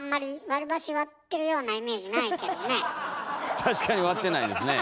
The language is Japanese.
確かに割ってないですね。